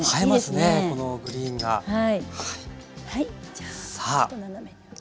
じゃあちょっと斜めに置いて。